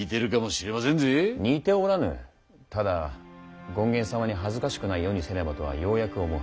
ただ権現様に恥ずかしくない世にせねばとはようやく思う。